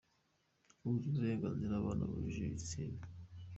Kubuza uburenganzira ababana bahuje ibitsina